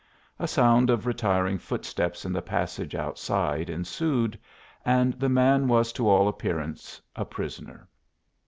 A sound of retiring footsteps in the passage outside ensued, and the man was to all appearance a prisoner.